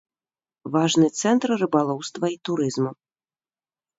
Важны цэнтр рыбалоўства і турызму.